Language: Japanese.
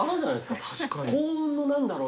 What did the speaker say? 「幸運の何だろう？」